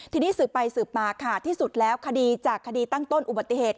ทีนี้สืบไปสืบมาค่ะที่สุดแล้วคดีจากคดีตั้งต้นอุบัติเหตุ